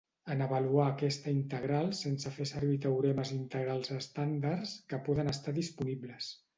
En avaluar aquesta integral sense fer servir teoremes integrals estàndards que poden estar disponibles.